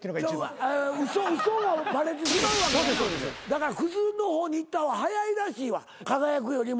だからクズの方にいった方が早いらしいわ輝くよりも。